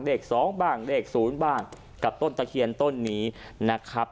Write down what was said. เลข๒บ้างเลข๐บ้างกับต้นตะเคียนต้นนี้นะครับ